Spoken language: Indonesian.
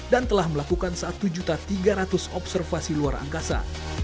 dan telah melakukan satu tiga ratus observasi luar angkasa